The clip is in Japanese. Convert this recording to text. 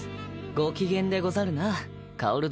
ご機嫌でござるな薫どあっ。